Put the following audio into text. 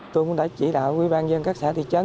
tôi cũng đã chỉ đạo quý bàn dân các xã thị trấn